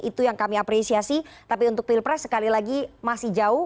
itu yang kami apresiasi tapi untuk pilpres sekali lagi masih jauh